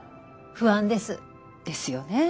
不安です。ですよね。